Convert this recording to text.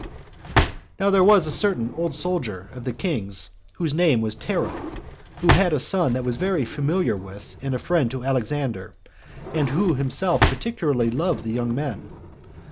4. Now there was a certain old soldier of the king's, whose name was Tero, who had a son that was very familiar with and a friend to Alexander, and who himself particularly loved the young men.